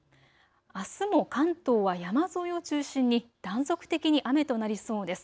あすも関東は山沿いを中心に断続的に雨となりそうです。